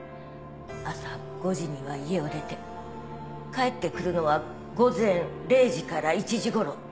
朝５時には家を出て帰ってくるのは午前０時から１時ごろ。